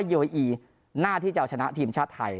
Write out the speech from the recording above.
ยีโยยีน่าที่จะชนะทีมชาติไทย